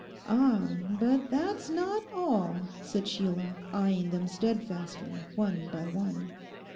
'Ah, but that's not all,' said Sheila, eyeing them steadfastly one by one.